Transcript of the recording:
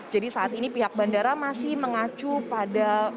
jadi saat ini pihak bandara masih mengacu pada